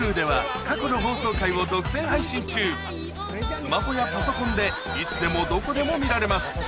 スマホやパソコンでいつでもどこでも見られます